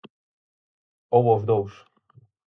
Ou aos dous.